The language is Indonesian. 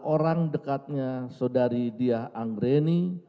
orang dekatnya saudari dia angreni